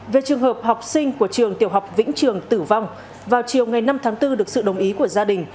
về trường hợp học sinh của trường tiểu học vĩnh trường tử vong vào chiều ngày năm tháng bốn được sự đồng ý của gia đình